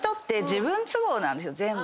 全部。